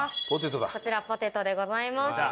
こちらポテトでございます。